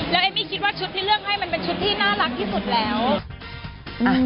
แล้วเอมมี่คิดว่าชุดที่เลือกให้มันเป็นชุดที่น่ารักที่สุดแล้วอ่ะ